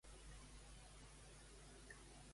Quin monarca explicava la història de Dominguito?